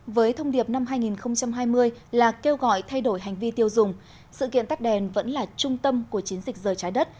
với thông điệp năm hai nghìn hai mươi là kêu gọi thay đổi hành vi tiêu dùng sự kiện tắt đèn vẫn là trung tâm của chiến dịch giờ trái đất